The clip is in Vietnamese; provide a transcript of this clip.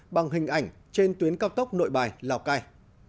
bằng hình ảnh trên tuyến cao tốc nội bài lào cai